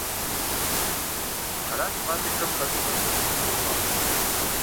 Аращ къалэхэм къэкӀыгъэхэр ткӀийуэ щӀахъумэр.